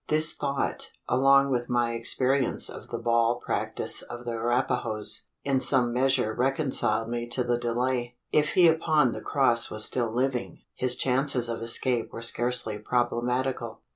This thought along with my experience of the ball practice of the Arapahoes in some measure reconciled me to the delay. If he upon the cross was still living, his chances of escape were scarcely problematical.